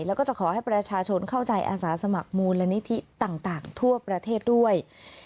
แล้วก็จะขอให้ประชาชนเข้าใจอาสาสมัครมูลนิธิต่างทั่วประเทศด้วย